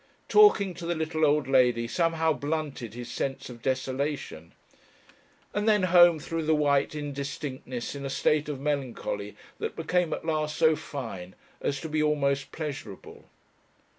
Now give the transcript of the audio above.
Talking to the little old lady somehow blunted his sense of desolation. And then home through the white indistinctness in a state of melancholy that became at last so fine as to be almost pleasurable.